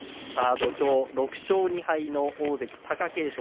土俵６勝２敗の大関貴景勝